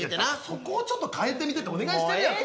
そこちょっと変えてみてってお願いしてるやん。